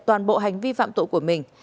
toàn bộ hành vi phạm tội của mình